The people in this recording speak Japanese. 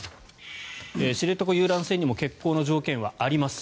知床遊覧船にも欠航の条件はあります。